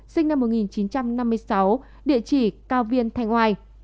sinh năm một nghìn chín trăm năm mươi sáu địa chỉ cao viên thành hoài